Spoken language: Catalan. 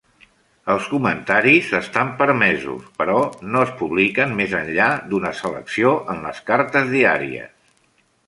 Els comentaris estan permesos, però no es publiquen, més enllà d'una selecció en les cartes diàries.